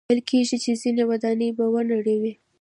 ویل کېږي ځینې ودانۍ به ونړوي.